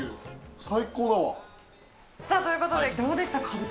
最高だわ。ということで、どうでしたか？